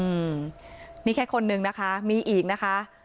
อืมนี่แค่คนนึงนะคะมีอีกนะคะ